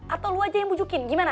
atau lu aja yang bujukin gimana